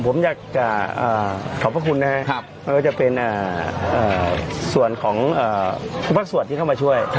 ผมอยากจะขอบพระคุณนะครับไม่ว่าจะเป็นส่วนของทุกภาคส่วนที่เข้ามาช่วย